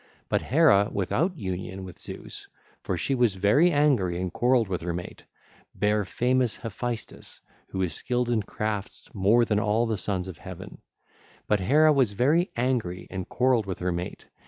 But Hera without union with Zeus—for she was very angry and quarrelled with her mate—bare famous Hephaestus, who is skilled in crafts more than all the sons of Heaven. (ll. 929a 929t) 1630 But Hera was very angry and quarrelled with her mate.